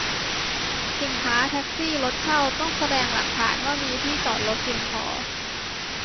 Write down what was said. สินค้า แท็กซี่ รถเช่า ต้องแสดงหลักฐานว่ามีที่จอดรถเพียงพอ